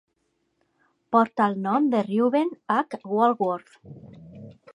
Porta el nom de Reuben H. Walworth.